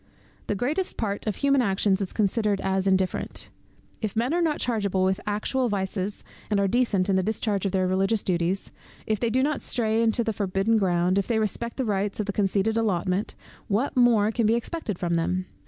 The greatest part of human actions is considered as indifferent. If men are not chargeable with actual vices, and are decent in the discharge of their religious duties; if they do not stray into the forbidden ground, if they respect the rights of the conceded allotment, what more can be expected from them?